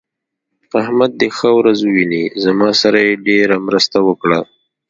احمد دې ښه ورځ وويني؛ زما سره يې ډېره مرسته وکړه.